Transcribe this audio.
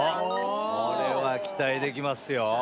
これは期待できますよ。